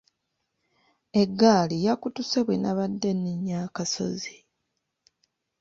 Eggaali yakutuse bwe nnabadde nninnya akasozi.